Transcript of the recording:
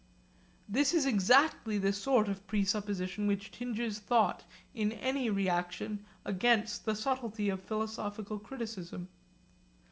This is exactly the sort of presupposition which tinges thought in any reaction against the subtlety of philosophical criticism.